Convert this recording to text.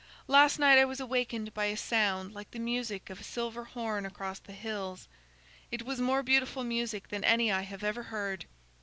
Last night I was awakened by a sound like the music of a silver horn across the hills. It was more beautiful music than any I have ever heard.